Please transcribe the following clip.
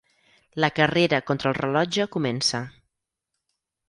La carrera contra el rellotge comença.